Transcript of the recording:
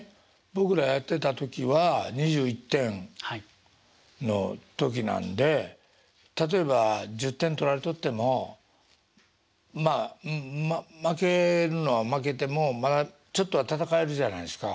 僕らやってた時は２１点の時なんで例えば１０点取られとってもまあ負けるのは負けてもまだちょっとは戦えるじゃないですか。